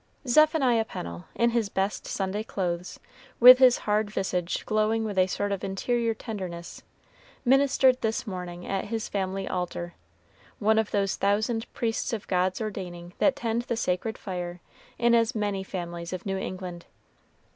Zephaniah Pennel, in his best Sunday clothes, with his hard visage glowing with a sort of interior tenderness, ministered this morning at his family altar one of those thousand priests of God's ordaining that tend the sacred fire in as many families of New England.